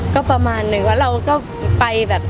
ก็ประมาณหนึ่งว่าเราก็ไปแบบ